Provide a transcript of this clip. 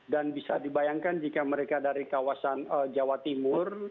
dan bisa dibayangkan jika mereka dari kawasan jawa timur